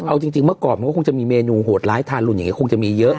เอาจริงเมื่อก่อนมันก็คงจะมีเมนูโหดร้ายทารุนอย่างนี้คงจะมีเยอะ